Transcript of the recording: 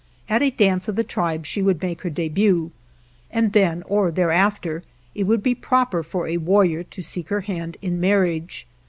At a dance of the tribe she would make her debut, and then, or thereafter, it would be proper for a warrior to seek her hand in marriage.